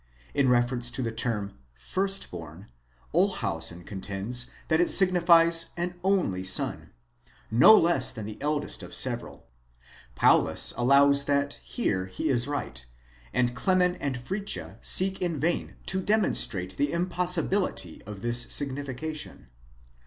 In reference to the term jfrstborn, Ols hausen contends that it signifies an only son: no less than the eldest of several. Paulus allows that here he is right, and Clemen !° and Fritzsche seek in vain to demonstrate the impossibility of this signification.